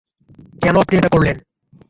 কেন আপনি এটা করলেন?